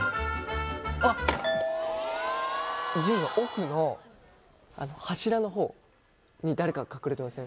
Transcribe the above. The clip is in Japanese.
あっジムの奥のあの柱の方に誰か隠れてません？